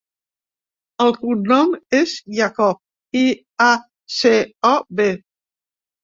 El cognom és Iacob: i, a, ce, o, be.